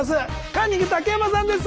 カンニング竹山さんです！